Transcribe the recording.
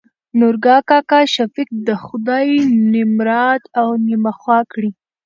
نورګا کاکا : شفيق د خداى نمراد او نيمه خوا کړي.